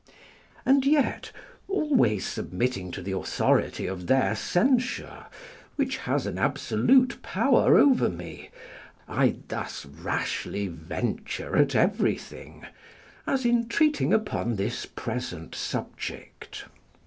And yet, always submitting to the authority of their censure, which has an absolute power over me, I thus rashly venture at everything, as in treating upon this present subject.